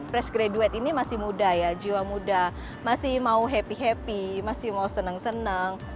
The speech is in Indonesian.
fresh graduate ini masih muda ya jiwa muda masih mau happy happy masih mau senang senang